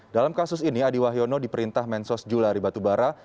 dalam kasus ini adi wahyono diperintah mensos julari batubara